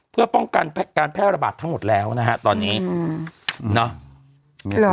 เพื่อป้องกันการแพร่ระบาดทั้งหมดแล้วนะฮะตอนนี้อืมเนาะ